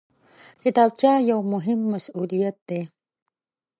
کتابچه یو مهم مسؤلیت دی